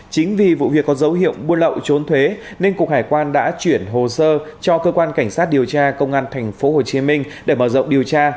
chính vì vụ việc có dấu hiệu buôn lậu trốn thuế nên cục hải quan đã chuyển hồ sơ cho cơ quan cảnh sát điều tra công an tp hcm để mở rộng điều tra